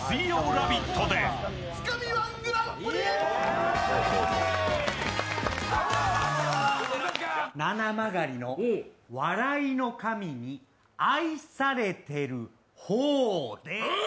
「ラヴィット！」でななまがりの笑いの神に愛されてる方です。